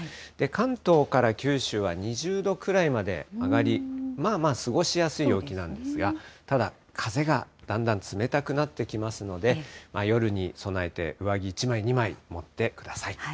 関東から九州は２０度くらいまで上がり、まあまあ過ごしやすい陽気なんですが、ただ、風がだんだん冷たくなってきますので、夜に備えて上着１枚、２枚、持ってください。